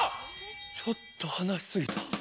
ちょっと話しすぎた。